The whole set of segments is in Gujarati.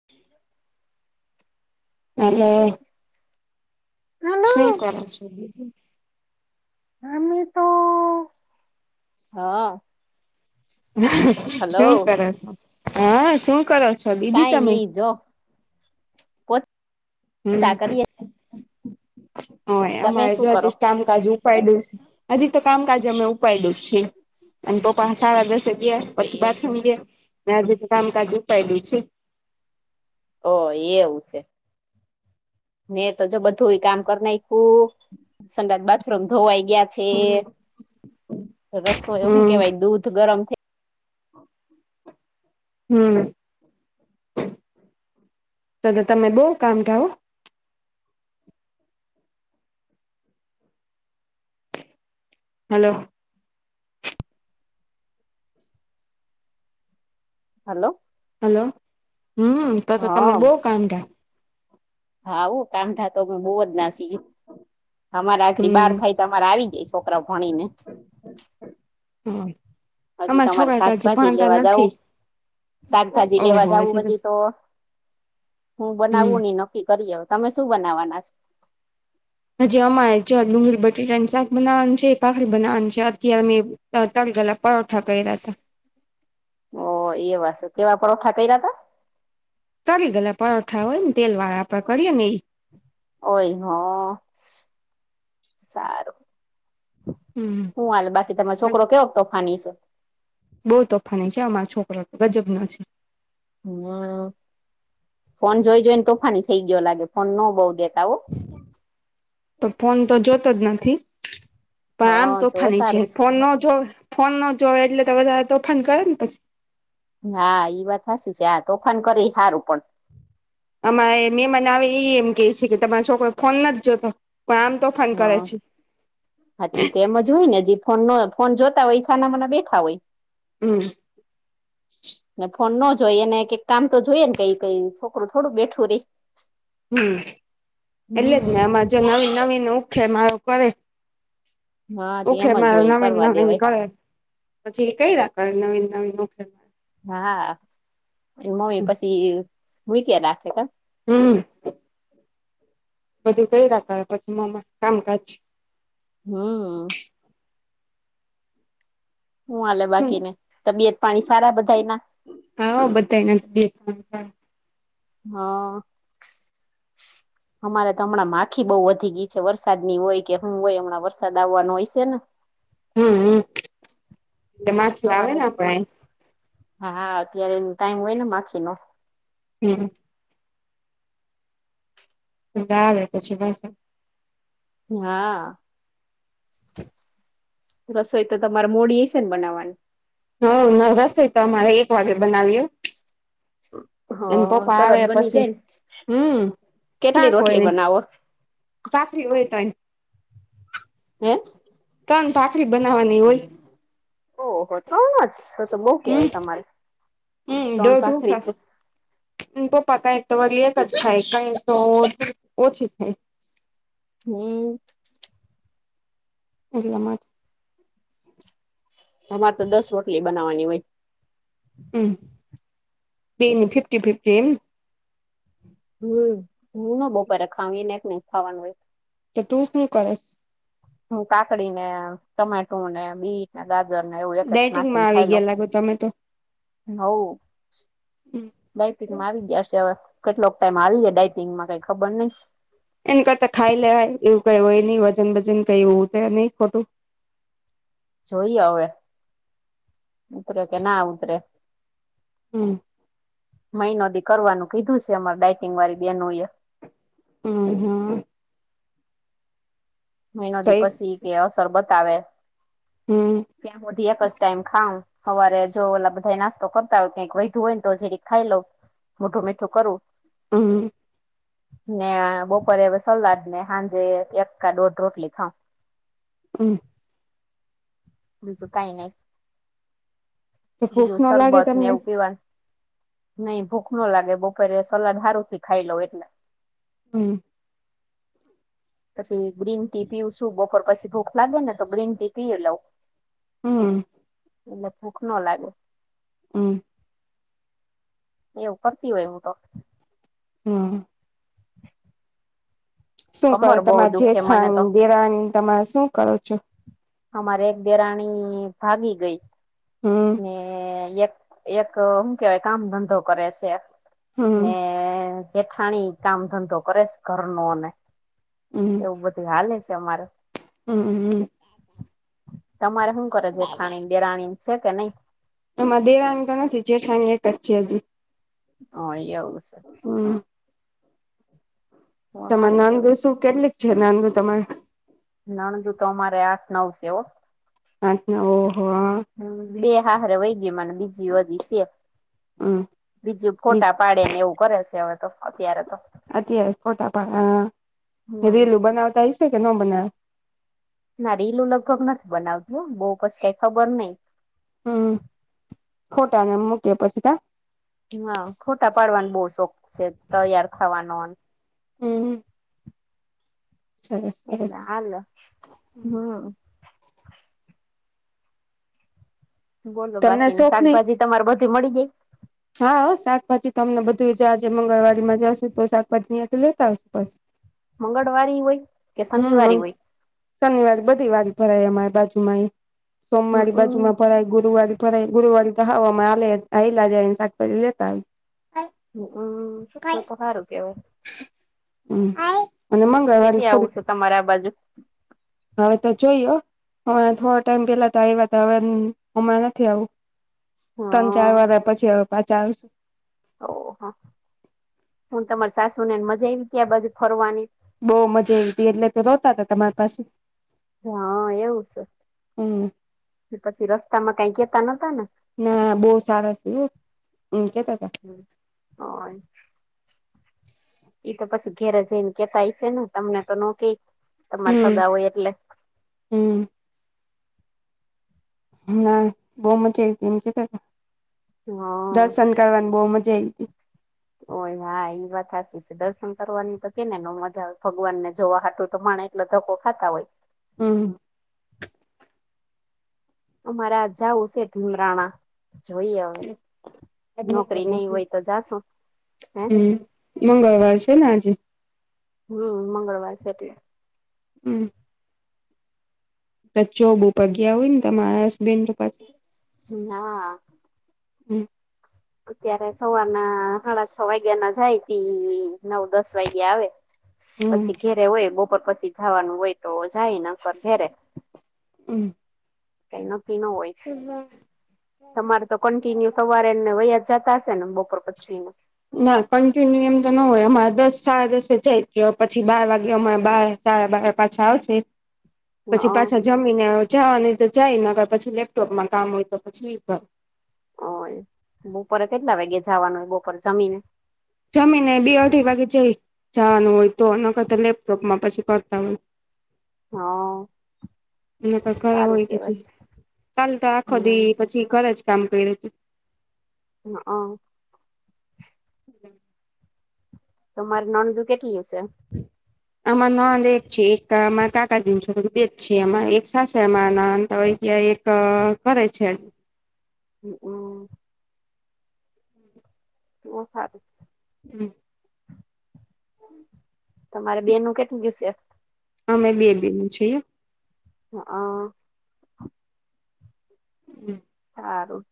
[inaudible] હાલો હલો શું કરો છો બીજુ અમે તો હ શું કરો છો હ શું કરો છો દીદી કઈ તમે નઈ જો [unintelligible] પોતા કરીએ [unintelligible] તમે અમારે શું જો કરો હજી કામ કાજ ઉપાયડું હજી તો કામકાજ અમે ઉપાયડું જ છે એન પપ્પા સાળા દસે ગયા પછી બાથરૂમ ગયા મે આજે કામકાજ ઉપાયઙું છે ઓ એવું છે મે, તો જો, બધું કામ કરી નાયખું, સંડાસ બાથરૂમ ધોવાઈ ગયા- છે. હમ રસોઈ હુકેવાય દુધ ગરમ થઈ- હમ, તો તમે બહુ કામઢા હો. હલો હલો હલો, હમ તો તો તમે હા બહુ કામઢા. હા હો, કામઢા તો અમે બહુ જ નાસી. અમારે, આઘડી હમ બાર થાય તા, અમારે આવી જાય છોકરા ભણી ને. ઓય. હજુ, તો અમારે શાકભાજી લેવા જાવુ. શાકભાજી લેવા ઓહો જાઉ હજી તો હજીતો, હું હમ બનાવું ઈ ન- -નકકી કરીએ, તમે શું બનાવવાના છે? હજી, અમારે જો ડુંગળી બટેટા નું શાક બનાવાનું છે. ભાખરી બનાવાનું છે અત્યારે- [unintelligible] પરોઠા કર્યા તા. ઓ એવાછે કેવા પરોઠા કર્યા તા. તરીંગલ, પરોઠા હોય ને તેલ વાળા આપણે કરીએ ને ઈ. ઓય, હ, સારું. હમ હું હાલે, બાકી તમારો છોકરો કેવોક તોફાની છે? બવ તોફાની છે, અમારો છોકરો તો! ગજબનો છે. હમ, ફોન જોઈ જોઈને તોફાની થઇ ગયો લાગે, ફોન ન બઉ દેતા હો. તો, ફોન તો, જોતો જ નથી. પણ આમ હ તો તોફાની છે. સારું ફોન ન જોવે ફોન ન જોવે એટલે તો વધારે તોફાન કરે ને પછી. હા, ઈ વાત હાસી છે. આ તોફાન કરે ઈ હારું પણ. અમારે મેમાન આવે, ઈ એ એમ કે છે કે, તમારા છોકરો ફોન નથી જોતો? પણ આમ તોફાન- કરે હા, છે હાતી ઈ તો એમ જ હોય ને જી- ફોન ન હોય, ફોન જોતા હોય ઈ છાનામાંના બેઠા હોય. હમ ને ફોન ન જોઈએ, ને કઈ કામ તો જોઈએ ને, કઈ કઈ છોકરું થોડું બેઠું રહે. હમ, એટલે જ હમ ને, આમાં જો નવીન નવીન ઉખે મારો કરે! હા તે ઉખે એમ જ મારો હોય નવીન કરવા નવીન દેવાય કરે. કર્યા કરે નવીન ઉખે- હા, મમ્મી પછી મૂક્યા રાખે કા? હમ બધું કર્યા કરે પછી મમ્મી કામકાજ. હ. હું હાલે શું બાકીને તબિયત પાણી સારા બધાય ના? હા, હો, બધાય ના તબિયત પાણી સારા. હા [inaudible] અમારે તો, હમણાં માખી બઉુ વધી ગઈ છે. વરસાદ ની હોય કે, હું હોય, હમણાં વરસાદ આવવાનો હયશે ને! હ, હ, તે માખી આવે ને આપડે- હા હા, અત્યારે એ ટાઈમ હોય ને માખીનો. [unintelligible] આવે પછી વરસાદ હા., રસોઈ તો તમારે મોડી હશે ને બનાવાની? હ ન રસોઇ તો અમારે એક વાગે બનાવી હો હ તરત બની પછી જાયને, હમ કેટલી શાક હોય રોટલી ને બનાવો? ભાખરી હોય તૈયા હે? ત્રણ ભાખરી બનાવવાની હોય. ઓહો ત્રણ જ તો તો બહ હમ કેવાય તમારે ત્રણ ભખરી આના પપ્પા કાઈક તો વરી એક જ થાય કઈ તો ઓછી ખાય. હમ્મ એટલા માટે અમારે તો દસ રોટલી બનાવાની હોય. હમ્મ બેય ની ફિફ્ટ ફિફ્ટ એમ હમ્મ, હું નો બપોરે ખાવ એને એક ને ખાવાનું હોય. તો તું હું કરશ હું કાકડી ટમેટું ને બીટ ગાજર ને એવું એક એક ડાયટિંગમાં નાખીને આવી ખાઈ લવ. ગયા લાગો તમે તો હવ બાયપીકમાં આવી ગયા છે હવે. કેટલોક ટાઈમ હાલીએ ડાઇટિંગમાં કઈ ખબર નહી. એને કરતા ખાય લેવાય એવું કઇ હોય નહી વજન બજન કઈ ઉતરે નહી ખોટું જોઈએ હવે ઉતરે કે ના ઉતરે. હમ્મ મઈનો દી કરવાનું કીધું સે અમાર ડઇટિંગ વાળી બેનો એ અ હમ્મ મઈનો તો દી એ પસી ઈ કે અસર બતાવે. હમ્મ, ત્યાં હુઢી એક જ ટાઈમ ખાઉ હવારે જો ઓલા બધાં એ નાસ્તો કરતા હોય કઈક વધું હોય ને તો જિરીક ખાઈ લઉ મોડું મીઠું કરું અમ્મ. ને આ બપોરે અવે સલાદ ને હાંજે એક કા દોઢ રોટલી ખાઉ. [inaudible] બીજું કાય નય, તો ભૂખ બીજું ન લાગે સરબત ને તમને એવું પીવાન નઈ ભૂખ નો લાગે, બોપરે સલાડ હારું થી ખાઈ લઉ એટલે [inaudible] પછી ગ્રીન ટી પીવું છું બપોર પસી ભૂખ લાગે ને તો ગ્રીન ટી પીય લઉ હમ એટલે ભૂખ નો લાગે. [inaudible] એવું કરતી હોય હું તો. હમ્મ. શું કરો કમર બહુ તમાર દુખે મને તો જેઠાણી, દેરાણી તમાર શું કરો છો? અમારે એક દેરાણી ભાગી ગઈ. હમ્મ. ને યેક, એક હું કેવાય કામ ધંધો કરેસે હમ ને જેઠાણી કામ ધંધો કરેસ ઘરનો ને બધી હાલે સે અમારે. અ હમ. તમારે હુ કરે, જેઠાણી, દેરાણી છે કે નય? અમાર દેરાની તો નથી જેઠાણી એક જ છે અજી. હ, એવું સે. હમ તમાર સારું નણંદો કેવાય શું કેટલીક છે, નણંદો તમાર? નણંદો તો અમારે આઠ, નવ સે હો. આઠ, નવ ઓ હો અ. હમ, બે હાહરે વઈ ગઈ મને બીજીઓ અજિ સે. હમ બીજીઓ બીજ ફોટા પાડે ને એવું કરે સે અવે તો, અત્યારે તો. અત્યારે જ ફોટા પાળા આ, હમ રીલો બનાવતા હશે સે કે નો બનાવે? ના રીલો લગભગ નથ બનાવતી હો બઉપસ કાય ખબર નઈ. હમ્મ, ફોટાને મૂકે પસી કા? ઈ આ ફોટા પાડવાનો બો શોખ છે, તૈયાર થવાનો હમ સરસ એટલે સરસ હાલ્ય હમ્મ. બોલો તમને બાકી એમ શોખ નહી શાકભાજી તમારે બધી મળી ગય? હા, અ શાકભાજી તો અમને બધું ઈ જે આજે મંગળવારીમાં જાશું તો શાકભાજી ન્યાથી લેતા આવશું બસ. મંગળવારી હોય, કે શનિવારી હોય? શનિવારી, બધી વારી ભરાય અમાર બાજુમાં ઈ સોમવારી હમમ બાજુમાં ભરાય, ગુરુવારી ભરાય ગુરુવારી તો હાવ અમાર આલે હાઈલા જાઈએ ને શાકભાજી લેતા આવિએ. હમ અમ્મ, તો તો હારું કેવાય. હમ્મ, અને કેદી મંગળવારી આવું થોડોક છે તમારે આ બાજુ હવે તો જોઈએ હો. હ થોડો ટાઈમ પેલા તો‌ આઇવા તા હવે હમણાં નથી આવું. તણ ચાર હા વરહ પછી હવે પાછા આવીશું. ઓહ હું તમારી સાસુ ને મજા આઈવી કે આ બાજુ ફરવાની? બહુ મજા આવી હતી એટલે તો રોતા હતા તમાર પાસે હા એવું છે હમ પછી રસ્તા માં કઈ કેતા નતા ને? ના બહુ સારા છે હો એવું કેતા તા. હ એ તો પસી ઘેરે જઈને કેતા હશે ને તમને તો નો કે તમારા હમ સગા હોય એટલે હમ ના બહુ મજા આઈ તી એમ કે હમ દર્શન કરવાની બહુ મજા આઈ તી. ઓય હા એ વાત હાસી છે દર્શન કરવાની તો કેને ન મજા આવે ભગવાન ને જોવા હાટુ તો માણે એટલે ધક્કો ખાતા હોય. હમ અમારા આજ જાવું શે ભીમરાણા, જોઈએ હવે નોકરી નઈ હોય તો જાશું હે. હમ મંગળવાર છે ને આજે? હમ મંગળવાર છે. એટલે હમ ચ જોબ ઉપર ગયા હોય ને તમારા હસબન્ડ તો ના આ હમ અત્યારે સવારના હાડા છ વાગ્યા ના જાય તી નવ દશ વાગ્યા આવે. હમ પછી ઘેરે હોય બપોર પછી જાવાનું હોય તો જાય નકર ઘેરે. [unintelligible] કઈ નક્કી નો હોય. [unintelligible] [unintelligible] ને વહીયા જતા હશે ને બપોર પછી નો ના કન્ટિન્યુ એમ તો ન હોય અમારે દસ સાડા દસે જઈ [unintelligible] પછી બાર વાગે અમાર [unintelligible] સાડા બારે પાછા આવશે. હ પછી પાછા જમીને અ જવાનું હોય તો જાય નકર પછી લેપટોપમાં કામ હોય તો પછી એ કર ઓય બોપોરે કેટલા [unintelligible] નું હોય બોપોરે જમીને જમીને બે અઢી વાગે [unintelligible] જાવાનું હોય તો નકરતો લેપટોપ માં પછી કરતા હોય. હ અ. નકર ઘરે હોય પછી કાલ તો આખો હમ દી પછી ઘરે જ કામ કર્યું તું. ન અ. [unintelligible] તમારે નણદુ કેટલી [unintelligible] હમ અમાર નણંદ એક છે એક અમાર કાકાજીની છોકરી બેજ છે અમ એક સાસરામાં નંણદ તો [unintelligible] તો અ કરે છે. [unintelligible] બો હારું. હમ્મ. તમારે બેનો કેટલી [unintelligible] અમે બે બેનુ [unintelligible] [unintelligible] [unintelligible] હારું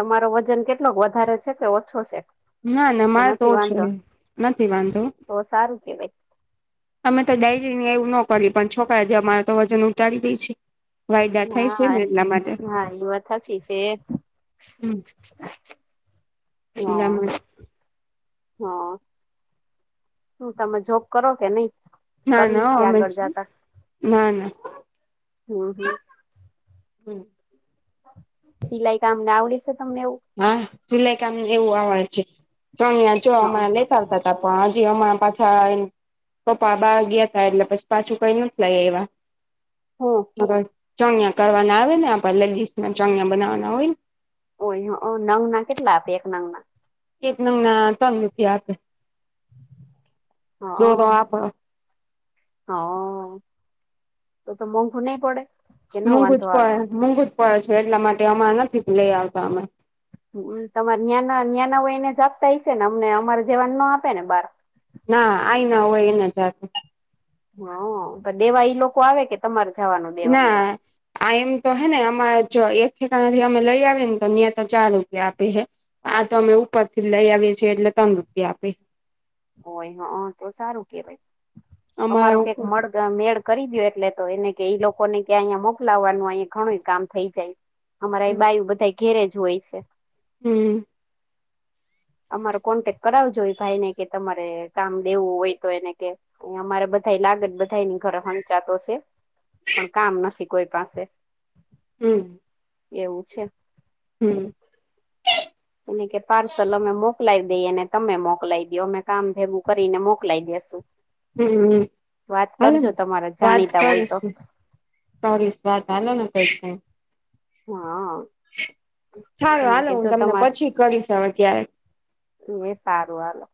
તમારો વજન કેટલોક વધારે છે કે ઓછો છે? ના ના કે મારે તો નથી ઓછો વાંધો હે નથી વાંધો. તો સારું કેવાય. અમે તો ડાયરીંગ એવું નો કરીએ પણ છોકરા જ અમાર તો વજન ઉતારી દે છે. વાયડા થાય શે હા ને એટલા માટે હા એ વાત સાચી છે હમ્મ. માટે [unintelligible] હા હું તમે જોબ કરો કે નઈ? ના ના હો અમે [unintelligible] ના ના. હમ્મ હમ્મ. સિલાઈ કામને આવડે છે તમને એવું? હા સિલાઈ કામ એવું આવડે છે પણ યા જો હા આમા લેતા આવતા તો પણ હજી હમણાં પાછા [unintelligible] પપ્પા બાર ગીયા તા એટલે પછ પાછું કઈ નથ લાઈ આયવા. હો. [unintelligible] ચણિયા કરવાના આવે ને આપડે લેડીઝ ના ચણિયા બનાવવાના હોય [unintelligible] નંગના કેટલા આપે એક નંગના? એક નંગના તન રૂપિયા આપે ના દોરો હ આપણો. હ અ તો તો મોઘુ નઈ પડે? કે ન મોંઘુ વાંધો જ આવે પડે મોંઘુ જ પડે છે એટલા માટે હમણા નથી લેઈ આવતા અમે. [unintelligible] તમારે ન્યાના ન્યાના હોય એને જ આપતા હશે ને અમને અમારે જેવાન નો આપે ને બાર? ના આઈ ના હોય એને જ આપે. હ તો દેવા ઈ લોકો આવે કે તમારે જવાનું? દેવા ના આ એમ તો હે ને અમારે જો એક ઠેકાણે થી અમે લઈ આવીએ ને તો ન્યા તો ચાર રૂપિયા આપે હે. આ તો અમે ઉપરથી લઈ આવીએ છીએ એટલે તન રૂપિયા આપે. હોય હ તો સારું કેવાય અમારો અમારા કેક ઉપર મળ તો મેળ કરી દયો એટલે તો એને કે ઈ લોકોને કે અહીંયા મોકલાવવાનું અહીયા ઘણું એ કામ થઈ જાય. અમારા એ બાયુ બધા ઘેરે જ હોય છે. હમ અમારો કોન્ટેક્ટ કરાવજો એ ભાઈ ને કે તમારે કામ દેવું હોય તો એને કે અમારે બધા લાગત બધાઈની ઘરે હંચાતો સે પણ કામ નથી કોઈ પાસે. હમ એવું છે. હમ એને કે પાર્સલ અમે મોકલાવી દઈએ ને તમે મોકલાય દો અમે કામ ભેગું કરીને મોકલાય દેસુ. હમ હમ વાત હાલો કરજો તમારા વાત જાણીતા હોય તો કરીશું. [unintelligible] કરીશ વાત હાલો ને કઈ થાય તો હા આ ચલો હાલો હું તમને પાછો કરીશ હવે ત્યારે. શું એ સારું હાલો